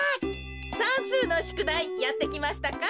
さんすうのしゅくだいやってきましたか？